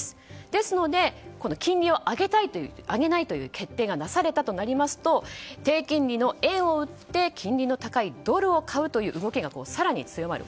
ですので、金利を上げないという決定がなされたとなりますと低金利の円を売って金利の高いドルを買うという動きが更に強まる。